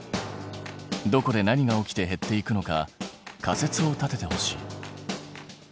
どこで何が起きて減っていくのか仮説を立ててほしい。